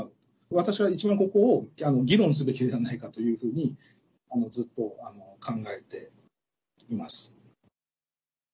私は一番ここを議論すべきではないかとずっと考えています。